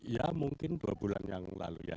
ya mungkin dua bulan yang lalu ya